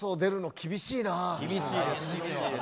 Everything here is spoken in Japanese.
厳しいですよ。